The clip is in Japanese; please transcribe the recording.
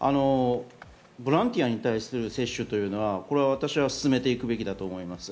ボランティアに対する接種は私は進めていくべきだと思います。